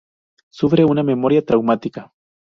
Sufre una memoria traumática.